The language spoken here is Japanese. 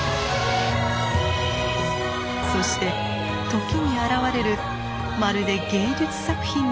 そして時に現れるまるで芸術作品のような姿。